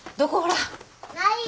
ないよ。